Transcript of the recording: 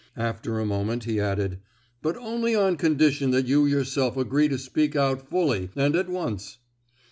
After a moment he added, "But only on condition that you yourself agree to speak out fully, and at once."